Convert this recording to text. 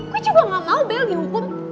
gue juga gak mau bell dihukum